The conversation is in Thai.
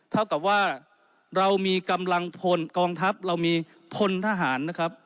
เท่ากับว่าเรามีกำลังพนธ์กองทัพเรามีพลทหาร